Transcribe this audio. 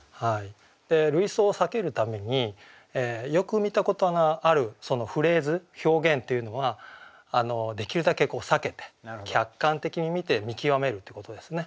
で類想をさけるためによく見たことのあるフレーズ表現っていうのはできるだけさけて客観的に見て見極めるってことですね。